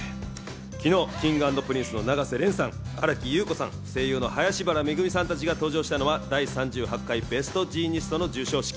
昨日Ｋｉｎｇ＆Ｐｒｉｎｃｅの永瀬廉さん、新木優子さん、声優の林原めぐみさんたちが登場したのは第３８回ベストジーニストの授賞式。